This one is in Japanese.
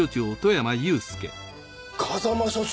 風間署長！